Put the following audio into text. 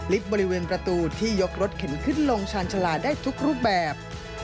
บริเวณประตูที่ยกรถเข็นขึ้นลงชาญชาลาได้ทุกรูปแบบ